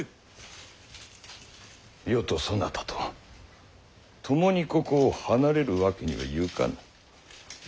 余とそなたとともにここを離れるわけにはゆかぬ。